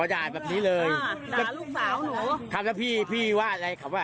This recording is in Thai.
ด่าแบบนี้เลยด่าลูกสาวหนูทำแล้วพี่พี่ว่าอะไรครับว่า